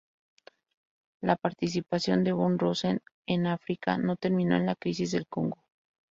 La participación de von Rosen en África no terminó en la Crisis del Congo.